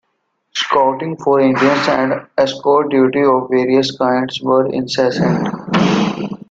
Scouting for Indians and escort duty of various kinds were incessant.